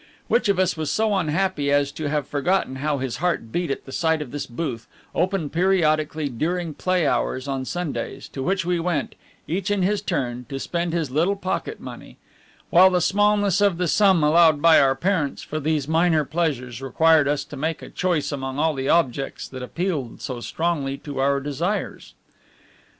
Which of us was so unhappy as to have forgotten how his heart beat at the sight of this booth, open periodically during play hours on Sundays, to which we went, each in his turn, to spend his little pocket money; while the smallness of the sum allowed by our parents for these minor pleasures required us to make a choice among all the objects that appealed so strongly to our desires?